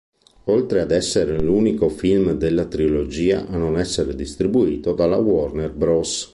Oltre ad essere l'unico film della trilogia a non essere distribuito dalla Warner Bros.